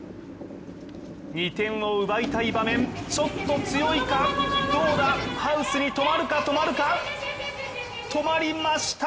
２点を奪いたい場面、ちょっと強いか、どうだハウスに止まるか止まりました。